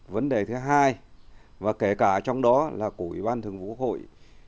vấn đề thứ hai và kể cả trong đó là của ủy ban thường vụ quốc hội